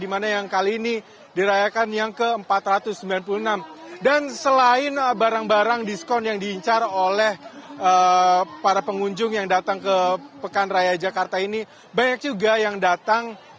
pekan raya jakarta